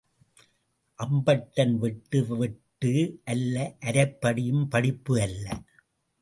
அம்பட்டன் வெட்டு வெட்டு அல்ல அரைப்படிப்பும் படிப்பு அல்ல.